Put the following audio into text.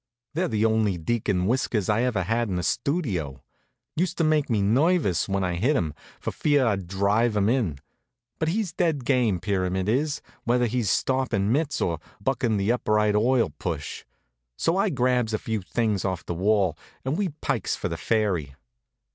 They're the only deacon whiskers I ever had in the Studio. Used to make me nervous when I hit 'em, for fear I'd drive 'em in. But he's dead game, Pyramid is, whether he's stoppin' mitts, or buckin' the Upright Oil push. So I grabs a few things off the wall, and we pikes for the ferry.